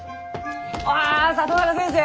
ああ里中先生！